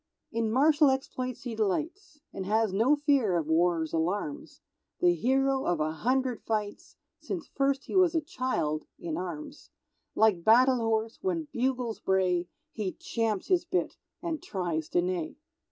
In martial exploits he delights, And has no fear of War's alarms; The hero of a hundred fights, Since first he was a child (in arms); Like battle horse, when bugles bray, He champs his bit and tries to neigh.